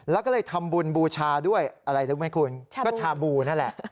แล้วก็เลยทำบุญบูชาด้วยอะไรรู้ไหมคุณก็ชาบูนั่นแหละ